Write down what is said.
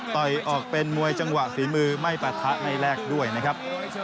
ต่อยออกเป็นมวยจังหวะฝีมือไม่ปะทะในแรกด้วยนะครับ